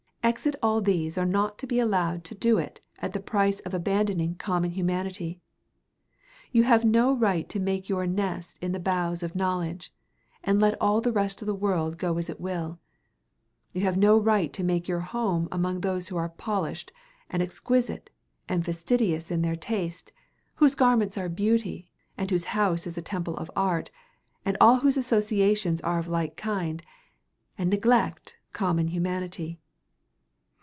Exit all these are not to be allowed to do it at the price of abandoning common humanity; you have no right to make your nest in the boughs of knowledge, and let all the rest of the world go as it will. You have no right to make your home among those who are polished and exquisite and fastidious in their tastes, whose garments are beauty, whose house is a temple of art, and all whose associations are of like kind, and neglect common humanity.